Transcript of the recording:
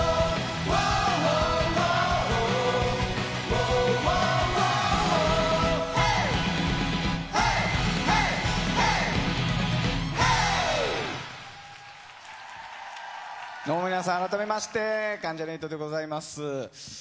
どうも皆さん、改めまして、関ジャニ∞でございます。